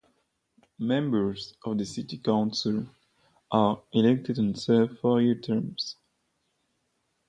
Members of the City Council are elected and serve four year terms.